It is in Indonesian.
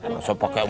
masa pakai emas